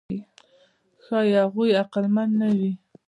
ښایي هغوی عقلمن نه وي.